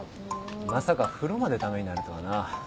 まさか風呂まで駄目になるとはな。